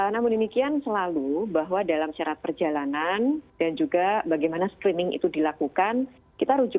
namun demikian selalu bahwa dalam syarat perjalanan dan juga bagaimana screening itu dilakukan kita rujukan